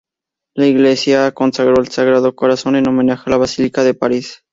La iglesia se consagró al Sagrado Corazón en homenaje a la basílica de París.